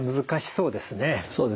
そうですね。